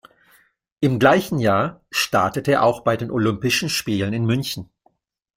Im gleichen Jahr startete er auch bei den Olympischen Spielen in München.